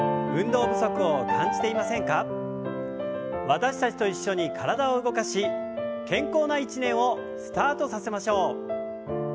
私たちと一緒に体を動かし健康な一年をスタートさせましょう。